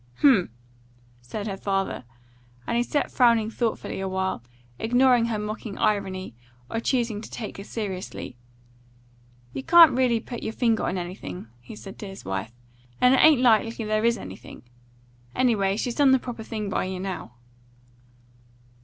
"Humph!" said her father, and he sat frowning thoughtfully a while ignoring her mocking irony, or choosing to take her seriously. "You can't really put your finger on anything," he said to his wife, "and it ain't likely there is anything. Anyway, she's done the proper thing by you now."